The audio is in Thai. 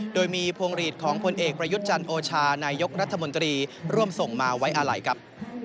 โดยมีพวงหลีดของพลเอกประยุทธ์จันทร์โอชานายกรัฐมนตรีร่วมส่งมาไว้อาลัยครับ